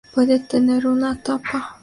Puede tener una tapa.